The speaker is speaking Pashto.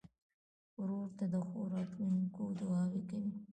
ورور ته د ښو راتلونکو دعاوې کوې.